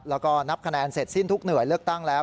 แล้วก็นับคะแนนเสร็จสิ้นทุกหน่วยเลือกตั้งแล้ว